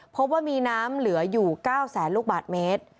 พบว่ามีน้ำเหลืออยู่๙แสนลูกบาทเมตร